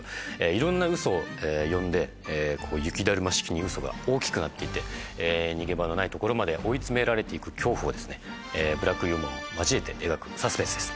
いろんなウソを呼んで雪だるま式に大きくなって逃げ場のないところまで追い詰められていく恐怖をブラックユーモアを交えて描くサスペンスです。